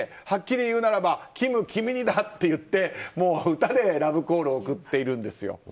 はっきり言うならばキム、君にだと言って歌でラブコールを送っているんですよ。